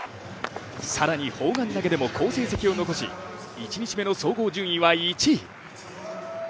更に、砲丸投でも好成績を残し１日目の総合順位は１位。